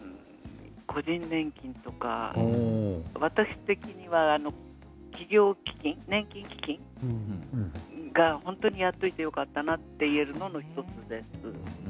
個人年金とか私的には企業年金基金がやっておいてよかったなと言えるのが１つです。